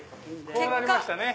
こうなりましたね。